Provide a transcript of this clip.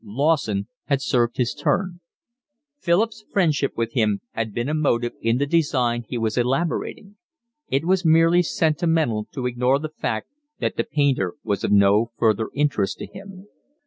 Lawson had served his turn. Philip's friendship with him had been a motive in the design he was elaborating: it was merely sentimental to ignore the fact that the painter was of no further interest to him.